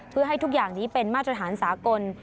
เพื่อให้ทุกอย่างนี้เป็นมาตรฐานสากล